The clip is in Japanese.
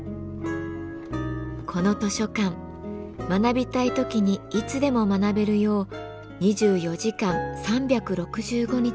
この図書館学びたい時にいつでも学べるよう２４時間３６５日